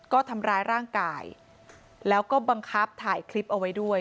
ก็ทำร้ายร่างกายแล้วก็บังคับถ่ายคลิปเอาไว้ด้วย